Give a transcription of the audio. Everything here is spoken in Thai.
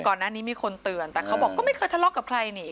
ก่อนหน้านี้มีคนเตือนแต่เขาบอกก็ไม่เคยทะเลาะกับใครนี่